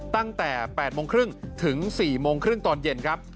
ตั้งแต่๘โมงครึ่งถึง๔โมงครึ่งตอนเย็นครับ